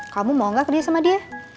kamu mau gak kerja sama dia